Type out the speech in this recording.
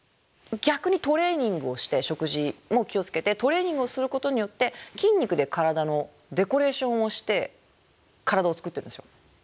逆にトレーニングをして食事も気を付けてトレーニングをすることによって筋肉で体のデコレーションをして体を作ってるんですよ。